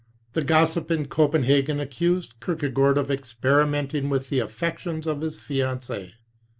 The gossip in Copenhagen accused Kierkegaard of experimenting with the affections of his fiancee.